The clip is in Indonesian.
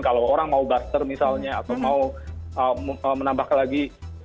kalau orang mau baster misalnya atau mau menambahkan lagi